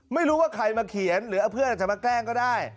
ไม่รู้ว่าใครมาเขียนหรือเพื่อนอาจจะมาแกล้งก็ได้